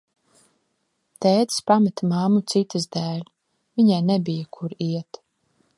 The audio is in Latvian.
Tētis pameta mammu citas dēļ, viņai nebija, kur iet.